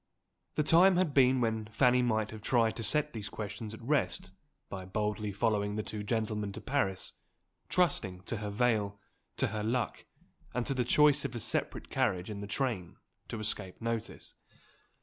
The time had been when Fanny might have tried to set these questions at rest by boldly following the two gentlemen to Paris; trusting to her veil, to her luck, and to the choice of a separate carriage in the train, to escape notice.